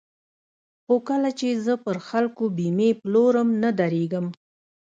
خو کله چې زه پر خلکو بېمې پلورم نه درېږم.